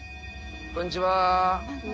こんちは。